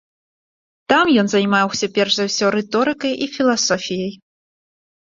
Там ён займаўся перш за ўсё рыторыкай і філасофіяй.